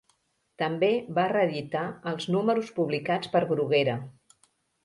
També va reeditar els números publicats per Bruguera.